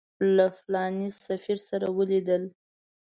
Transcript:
له فلاني سفیر سره ولیدل.